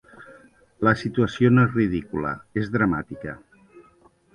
La situació no és ridícula, és dramàtica.